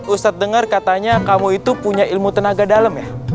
ustadz dengar katanya kamu itu punya ilmu tenaga dalam ya